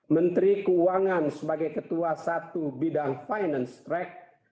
menteri keuangan sebagai ketua satu bidang finanstrek